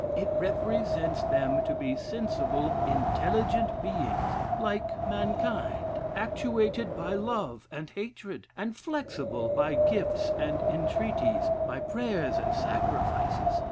It represents them to be sensible, intelligent beings like mankind; actuated by love and hatred, and flexible by gifts and entreaties, by prayers and sacrifices.